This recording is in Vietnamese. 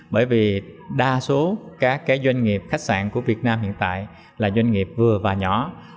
bởi vì đa số các doanh nghiệp khách sạn của việt nam hiện tại là doanh nghiệp vừa và nhỏ